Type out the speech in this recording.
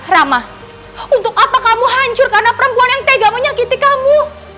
ramah untuk apa kamu hancur karena perempuan yang tega menyakiti kamu